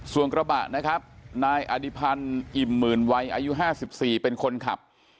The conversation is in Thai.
ส่วนกระบะนะครับนายอดิพันธ์อิ่มหมื่นวัยอายุ๕๔เป็นคนขับ